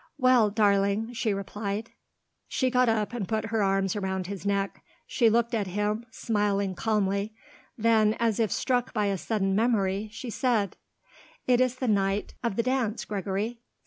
"Well, darling," she replied. She got up and put her arms around his neck; she looked at him, smiling calmly; then, as if struck by a sudden memory, she said: "It is the night of the dance, Gregory."